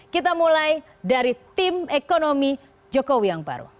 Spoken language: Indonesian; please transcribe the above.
kita mulai dari tim ekonomi jokowi yang baru